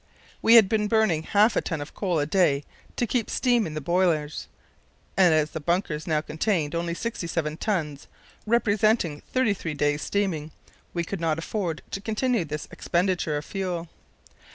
We had been burning half a ton of coal a day to keep steam in the boilers, and as the bunkers now contained only 67 tons, representing thirty three days' steaming, we could not afford to continue this expenditure of fuel.